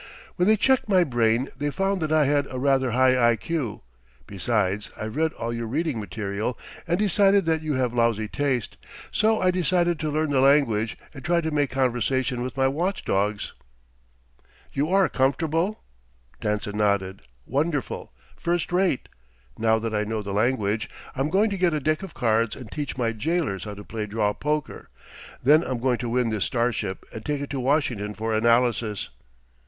When they checked my brain, they found that I had a rather high I.Q. Besides, I've read all your reading material and decided that you have lousy taste. So I decided to learn the language, and try to make conversation with my watch dogs." "You are comfortable?" Danson nodded. "Wonderful. First rate. Now that I know the language, I'm going to get a deck of cards and teach my jailers how to play draw poker. Then I'm going to win this starship and take it to Washington for analysis."